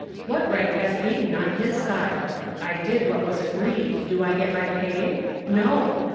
What right has Hayden on his side? I did what was agreed do I get my pay? No.